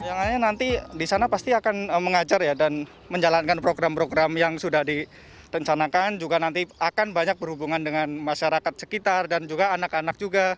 bayangannya nanti di sana pasti akan mengajar ya dan menjalankan program program yang sudah direncanakan juga nanti akan banyak berhubungan dengan masyarakat sekitar dan juga anak anak juga